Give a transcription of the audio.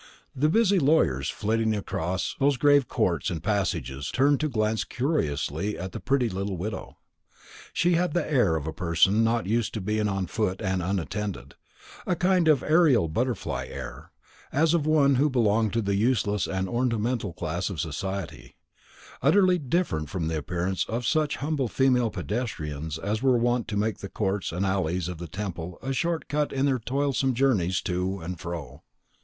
The busy lawyers flitting across those grave courts and passages turned to glance curiously at the pretty little widow. She had the air of a person not used to be on foot and unattended a kind of aerial butterfly air, as of one who belonged to the useless and ornamental class of society; utterly different from the appearance of such humble female pedestrians as were wont to make the courts and alleys of the Temple a short cut in their toilsome journeys to and fro.